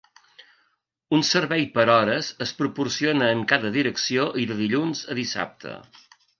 Un servei per hores es proporciona en cada direcció i de dilluns a dissabte.